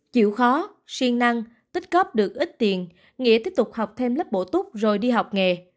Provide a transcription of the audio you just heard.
chịu khó siêng năng tích cấp được ít tiền nghĩa tiếp tục học thêm lớp bổ túc rồi đi học nghề